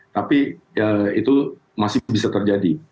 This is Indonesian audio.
tapi ya itu masih bisa terjadi